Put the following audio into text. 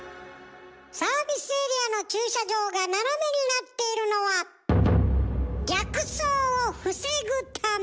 サービスエリアの駐車場が斜めになっているのは逆走を防ぐため。